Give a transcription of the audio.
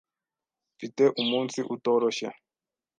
Mfite umunsi utoroshye.